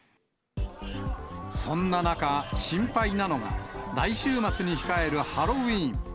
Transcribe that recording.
そんな中、心配なのが、来週末に控えるハロウィーン。